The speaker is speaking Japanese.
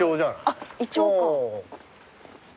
あっイチョウか。